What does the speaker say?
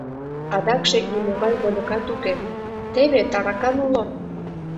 — Адакше нимогай вольыкат уке, теве таракан уло...